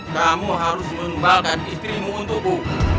kamu harus mengembalikan istrimu untuk bu